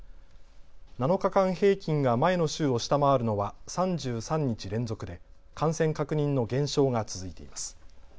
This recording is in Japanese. ７日間平均が前の週を下回るのは３３日連続で感染確認の減少が続いています。